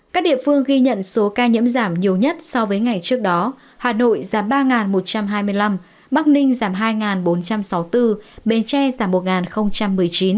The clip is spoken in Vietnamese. các địa phương ghi nhận số ca nhiễm giảm nhiều nhất so với ngày trước đó hà nội giảm ba một trăm hai mươi năm bắc ninh giảm hai bốn trăm sáu mươi bốn bến tre giảm một một mươi chín